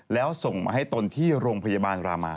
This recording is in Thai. แล้วส่งมาให้ตนที่โรงพยาบาลรามา